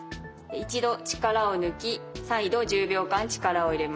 一度力を抜き再度１０秒間力を入れます。